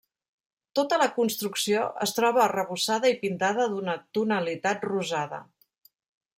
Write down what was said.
Tota la construcció es troba arrebossada i pintada d'una tonalitat rosada.